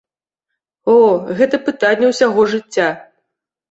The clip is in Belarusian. О, гэта пытанне ўсяго жыцця.